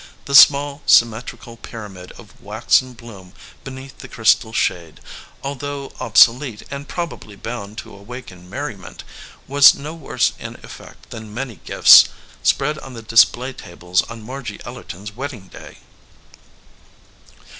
The small symmetrical pyra mid of waxen bloom beneath the crystal shade, al though obsolete and probably bound to awaken merriment, was no worse in effect than many gifts spread on the display tables on Margy Ellerton s wedding day.